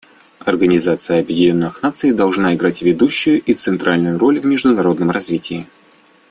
Организация Объединенных Наций должна играть ведущую и центральную роль в международном развитии.